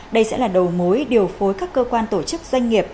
đây sẽ là đầu mối điều phối các cơ quan tổ chức doanh nghiệp